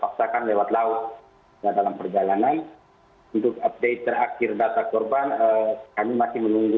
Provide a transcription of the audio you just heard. paksakan lewat laut dalam perjalanan untuk update terakhir data korban kami masih menunggu